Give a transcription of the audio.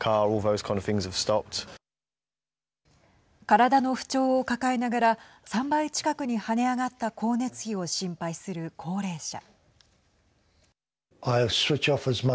体の不調を抱えながら３倍近くに跳ね上がった光熱費を心配する高齢者。